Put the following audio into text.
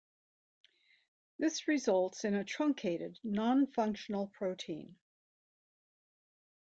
This results in a truncated non-functional protein.